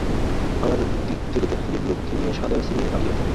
আমার দিক থেকে চোখ ফিরিয়ে বিরক্তি নিয়ে সাদা সিলিংয়ে তাকিয়ে থাকে।